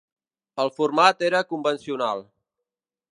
El format era convencional.